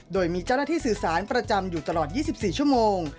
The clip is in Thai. โดยมีเจ้าหน้าที่สื่อสารประจำอยู่ตลอด๒๔ชั่วโมง